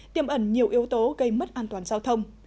tiêm ẩn nhiều yếu tố gây mất an toàn giao thông